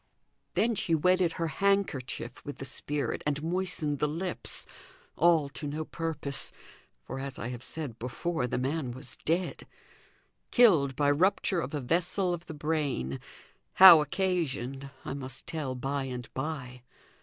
Then she wetted her handkerchief with the spirit, and moistened the lips; all to no purpose; for, as I have said before, the man was dead killed by rupture of a vessel of the brain; how occasioned I must tell by and by.